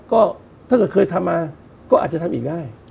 ก็ถ้าเกิดเคยทำมาก็อาจจะทำอีกได้